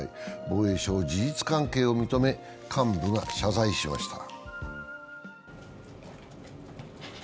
防衛省は、事実関係を認め、幹部が謝罪しました。